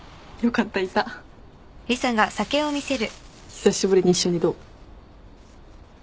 久しぶりに一緒にどう？